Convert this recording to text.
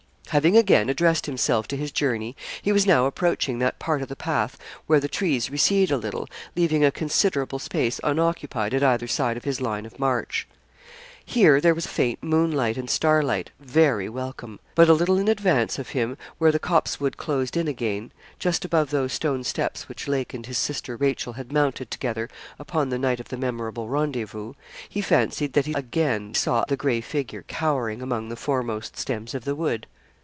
Having again addressed himself to his journey, he was now approaching that part of the path where the trees recede a little, leaving a considerable space unoccupied at either side of his line of march. Here there was faint moonlight and starlight, very welcome; but a little in advance of him, where the copsewood closed in again, just above those stone steps which Lake and his sister Rachel had mounted together upon the night of the memorable rendezvous, he fancied that he again saw the gray figure cowering among the foremost stems of the wood.